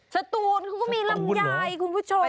สตูนเขาก็มีลำไยคุณผู้ชม